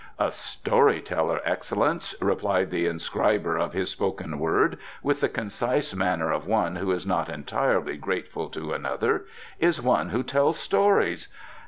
"A story teller, Excellence," replied the inscriber of his spoken word, with the concise manner of one who is not entirely grateful to another, "is one who tells stories.